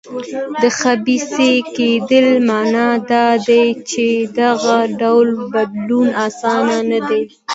د خبیثه کړۍ معنا دا ده چې دغه ډول بدلون اسانه نه دی.